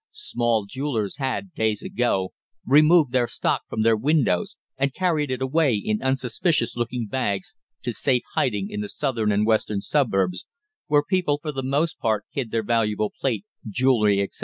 Small jewellers had, days ago, removed their stock from their windows and carried it away in unsuspicious looking bags to safe hiding in the southern and western suburbs, where people for the most part hid their valuable plate, jewellery, etc.